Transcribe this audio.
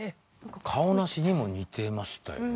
カオナシにも似てましたよね